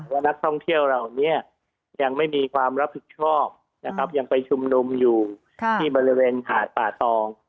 ว่านักท่องเที่ยวเหล่านี้ยังไม่มีความรับผิดชอบนะครับยังไปชุมนุมอยู่ที่บริเวณหาดป่าตอง